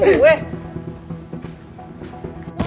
kenapa ngerjain gue